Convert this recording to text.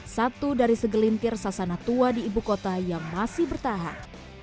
satu dari segelintir sasana tua di ibu kota yang masih bertahan